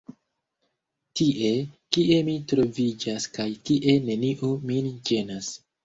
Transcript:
Tie, kie mi troviĝas kaj kie neniu min ĝenas.